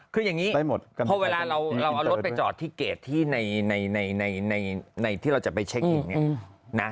คืออย่างนี้เพราะเวลาเราเอารถไปจอดที่เกดที่ในที่เราจะไปเช็คอิง